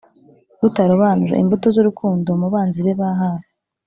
rutarobanura.imbuto z’urukundo mubanzibee bahafi